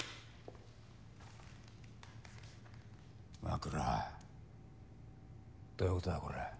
熊倉どういうことだこれ。